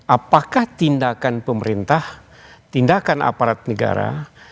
apakah tindakan pemerintah tindakan aparat negara